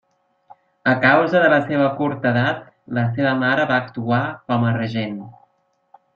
A causa de la seva curta edat, la seva mare va actuar com a regent.